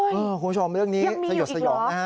คุณผู้ชมเรื่องนี้สยดสยอม